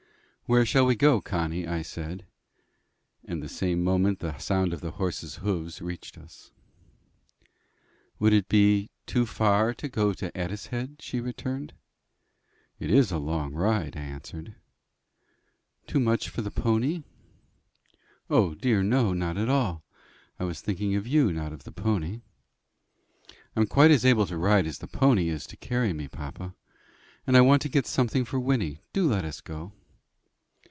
"Where shall we go, Connie?" I said, and the same moment the sound of the horses' hoofs reached us. "Would it be too far to go to Addicehead?" she returned. "It is a long ride," I answered. "Too much for the pony?" "O dear, no not at all. I was thinking of you, not of the pony." "I'm quite as able to ride as the pony is to carry me, papa. And I want to get something for Wynnie. Do let us go."